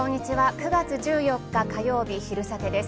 ９月１４日火曜日、「昼サテ」です。